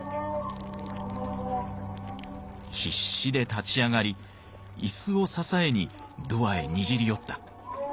必死で立ち上がり椅子を支えにドアへにじり寄った。